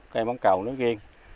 cây bóng cầu nói riêng